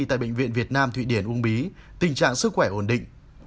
tại bệnh viện việt nam thụy điển uông bí tình trạng sức khỏe ổn định